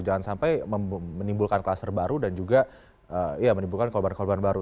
jangan sampai menimbulkan kluster baru dan juga ya menimbulkan korban korban baru